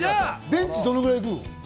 ベンチどのぐらい行くの？